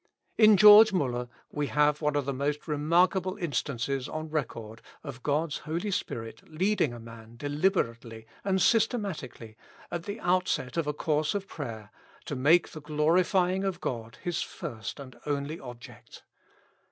In George Muller we have one of the most remarkable in stances on record of God's Holy Spirit leading a man deliber ately and systematically, at the outset of a course of prayer, to make the glorifjdng of God his first and only object.